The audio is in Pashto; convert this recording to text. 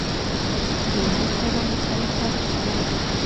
لومړي سره مخالفت کاوه.